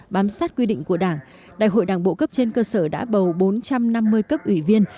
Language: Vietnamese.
bám sát quy định của đảng đại hội đảng bộ cấp trên cơ sở đã bầu bốn trăm năm mươi cấp ủy viên